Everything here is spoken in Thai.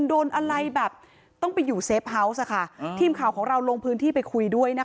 โดนอะไรแบบต้องไปอยู่เซฟเฮาวส์ค่ะทีมข่าวของเราลงพื้นที่ไปคุยด้วยนะคะ